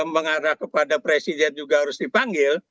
mengarah kepada presiden juga harus dipanggil